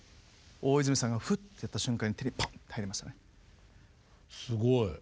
大泉さんがフッてやった瞬間に手にポンと入りましたね。